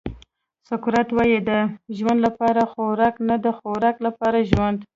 سقراط وایي د ژوند لپاره خوراک نه د خوراک لپاره ژوند.